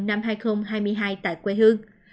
năm hai nghìn hai mươi hai tại quê hương